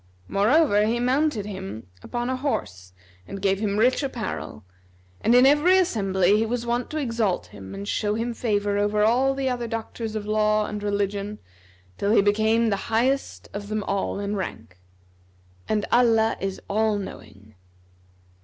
Moreover he mounted him upon a horse and gave him rich apparel; and in every assembly he was wont to exalt him and show him favour over all the other doctors of law and religion till he became the highest of them all in rank. And Allah is All knowing.